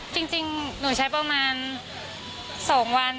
จริงหนูใช้ประมาณ๒วัน